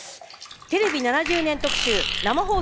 テレビ７０年特集「生放送！